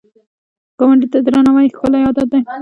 ګاونډي ته درناوی ښکلی عادت دی